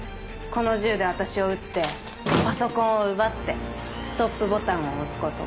この銃で私を撃ってパソコンを奪ってストップボタンを押すこと。